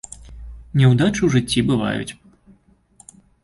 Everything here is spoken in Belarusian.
Няўдачы ў жыцці бываюць.